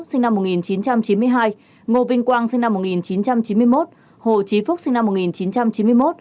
sinh năm một nghìn chín trăm chín mươi hai ngô vinh quang sinh năm một nghìn chín trăm chín mươi một hồ trí phúc sinh năm một nghìn chín trăm chín mươi một